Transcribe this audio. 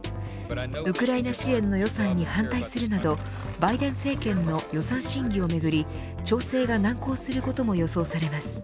ウクライナ支援の予算に反対するなどバイデン政権の予算審議をめぐり調整が難航することも予想されます。